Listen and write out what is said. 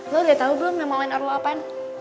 lo udah tau belum nama online lu apaan